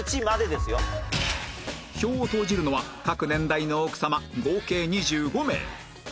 票を投じるのは各年代の奥さま合計２５名